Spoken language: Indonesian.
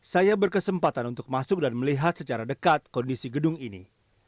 saya berkesempatan untuk masuk dan melihat secara dekat kondisi gedung ini